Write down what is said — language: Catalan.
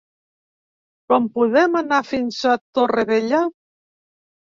Com podem anar fins a Torrevella?